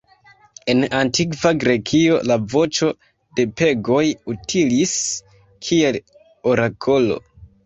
En antikva Grekio la voĉo de pegoj utilis kiel orakolo.